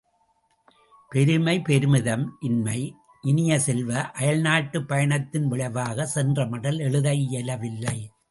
பெருமை பெருமிதம் இன்மை இனிய செல்வ, அயல்நாட்டுப் பயணத்தின் விளைவாக, சென்ற மடல் எழுத இயலவில்லை.